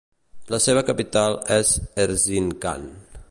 La seva capital és Erzincan.